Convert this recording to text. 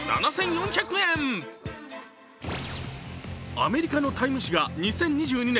アメリカの「ＴＩＭＥ」誌が２０２２年